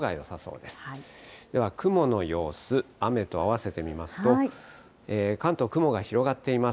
では雲の様子、雨と合わせて見ますと、関東、雲が広がっています。